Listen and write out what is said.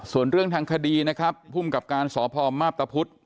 ส่วนเรื่องทางคดีนะครับภูมิกับการสพมาพตะพุธ